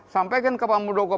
sampaikan ke pak murdoko